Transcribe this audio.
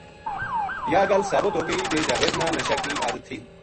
یاہ گل ثابت ہو گئی جے جاوید نا نشا کی عادت تھی